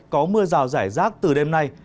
có mưa rào rải rác từ đêm nay